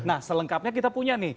nah selengkapnya kita punya nih